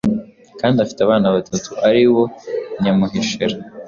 kandi afite abana batatu ari bo Nyamuheshera,